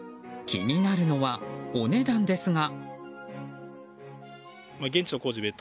気になるのは、お値段ですが。